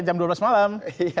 jam dua belas malam